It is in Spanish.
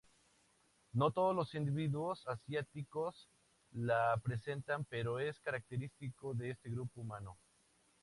No todos los individuos asiáticos la presentan pero es característico de este grupo humano.